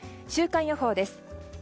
週間予報です。